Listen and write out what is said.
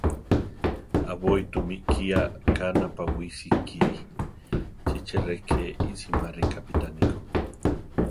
Aʼbói tu mi ikía ka napawísi kíri; chi che rʼe ke iʼsimári iʼkápitani ko.